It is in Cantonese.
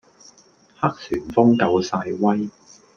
黑旋風夠晒威